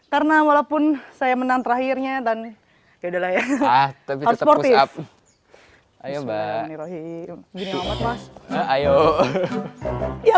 karena walaupun saya menang terakhirnya dan adalah yang tetap ayo mbak ayo ya